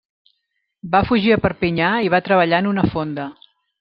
Va fugir a Perpinyà i va treballar en una fonda.